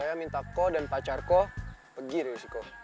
saya minta ko dan pacarko pergi dari usiko